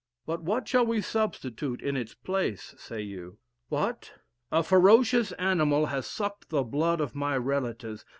But what shall we substitute in its place? say you. What? A ferocious animal has sucked the blood of my relatives.